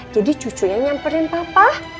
jadi cucunya nyamperin papa